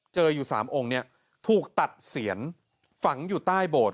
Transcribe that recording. เจออยู่๓องค์นี้ถูกตัดเสียนฝังอยู่ใต้โบด